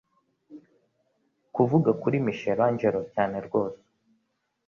Kuvuga kuri Michelangelo cyane rwose